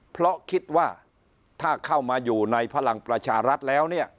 เพราะคิดว่าถ้าเข้ามาอยู่ในพลังประชารัฐแล้วเนี่ย